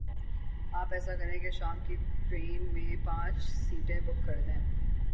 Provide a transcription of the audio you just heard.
آپ ایسا کریں کے شام کی ٹرین میں پانچھ سیٹیں بک کر دیں۔